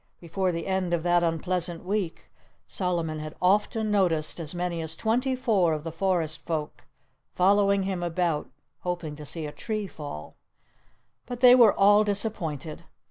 Before the end of that unpleasant week Solomon had often noticed as many as twenty four of the forest folk following him about, hoping to see a tree fall. But they were all disappointed.